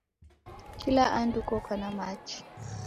Kila andu koka na machi